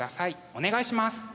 お願いします。